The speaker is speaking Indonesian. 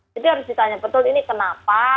jadi harus ditanya betul ini kenapa